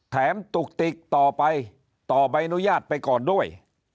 ตุกติกต่อไปต่อใบอนุญาตไปก่อนด้วย